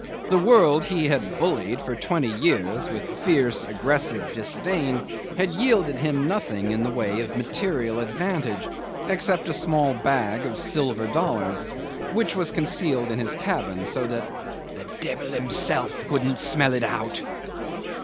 The world he had bullied for twenty years with fierce, aggressive disdain, had yielded him nothing in the way of material advantage except a small bag of silver dollars, which was concealed in his cabin so that "the devil himself couldn't smell it out."